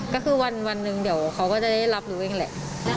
ก็คือวันหนึ่งเดี๋ยวเขาก็จะได้รับรู้เองแหละ